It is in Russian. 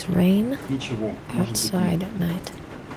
Ничего, может быть, нет.